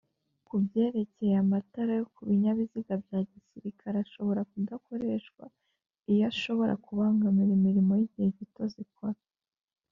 Kubyerekeye amatara yo kubinyabiziga byagisirikare ashobora kudakoreshwa iyo ashobora kubangamira imirimo y’igihe gito zikora